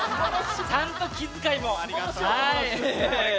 ちゃんと気遣いもありました。